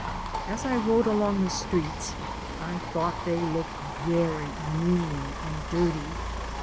As I rode along the streets I thought they looked very mean and dirty.